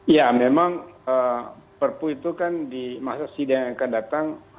ya memang perpu itu kan di masa sidang yang akan datang